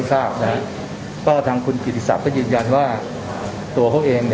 ตอนนี้นะฮะคุณกิหนิศักดิ์นะฮะล้อมฐาลัยความก็เข้ามาพบนะฮะ